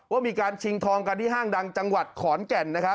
ว่ามีการชิงทองกันที่ห้างดังจังหวัดขอนแก่นนะครับ